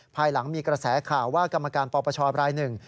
ภายหลังมีกระแสข่าวว่ากรรมการปปชรายหนึ่ง